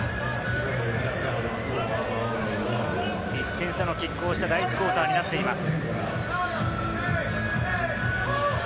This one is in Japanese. １点差の拮抗した第１クオーターになっています。